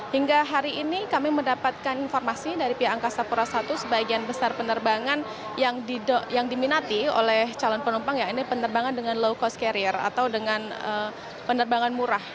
hingga hari ini kami mendapatkan informasi dari pihak angkasa pura i sebagian besar penerbangan yang diminati oleh calon penumpang ya ini penerbangan dengan low cost carrier atau dengan penerbangan murah